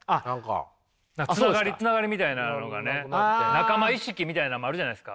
仲間意識みたいなのもあるじゃないですか。